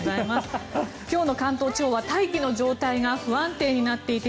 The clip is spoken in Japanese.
今日の関東地方は大気の状態が不安定になっていて